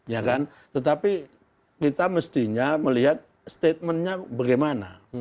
ya kan tetapi kita mestinya melihat statementnya bagaimana